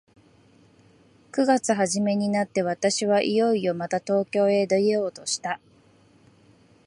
九月始めになって、私はいよいよまた東京へ出ようとした。